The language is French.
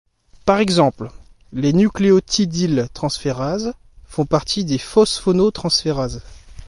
Par exemple, les nucléotidyltransférases font partie des phosphotransférases.